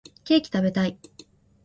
ケーキ食べたい